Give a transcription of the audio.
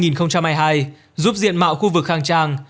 giúp diện mạo khu vực khang trang